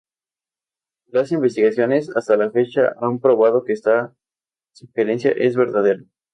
Las investigaciones hasta la fecha han probado que esta sugerencia es verdadera.